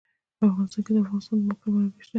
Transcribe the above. په افغانستان کې د د افغانستان د موقعیت منابع شته.